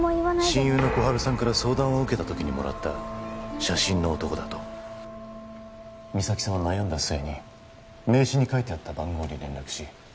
親友の心春さんから相談を受けたときにもらった写真の男だと実咲さんは悩んだ末に名刺に書いてあった番号に連絡し